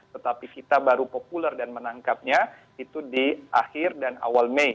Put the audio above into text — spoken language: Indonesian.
tetapi kita baru populer dan menangkapnya itu di akhir dan awal mei